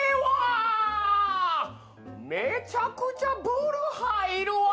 めちゃくちゃブル入るわ。